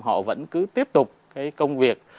họ vẫn cứ tiếp tục công việc